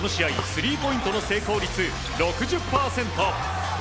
スリーポイントの成功率６０％。